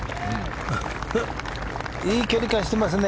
いい距離感してますね。